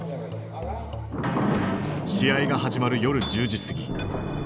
試合が始まる夜１０時すぎ。